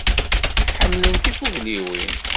Ḥemmlen tifugliwin.